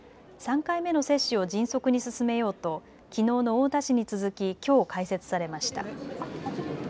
３回目の接種を迅速に進めようときのうの太田市に続ききょう開設されました。